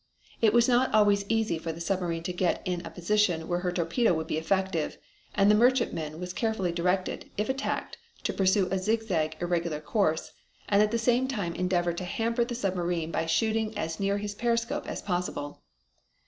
It was not always easy for the submarine to get in a position where her torpedo would be effective, and the merchantman was carefully directed, if attacked, to pursue a ziz zag irregular course, and at the same time endeavor to hamper the submarine by shooting as near her periscope as possible.